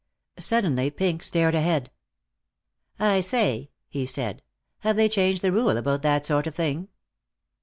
Suddenly Pink stared ahead. "I say," he said, "have they changed the rule about that sort of thing?"